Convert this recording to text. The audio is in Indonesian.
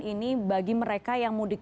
ini bagi mereka yang sudah memilih ya